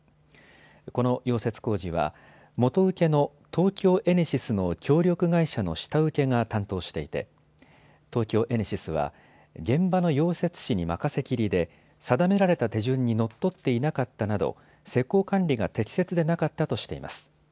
この溶接工事は元請け東京エネシスの協力会社の下請けが担当していて東京エネシスは現場の溶接士に任せきりで定められた手順にのっとっていなかったなど施工管理が適切でなかったとしています。